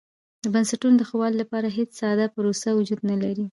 د بنسټونو د ښه والي لپاره هېڅ ساده پروسه وجود نه لري.